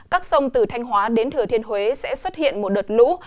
các sông từ thanh hóa đến thừa thiên huế sẽ xuất hiện một đợt lũ